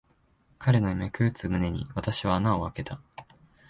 彼の脈打つ胸に、私は穴をあけた。